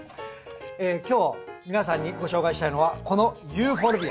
今日皆さんにご紹介したいのはこのユーフォルビア。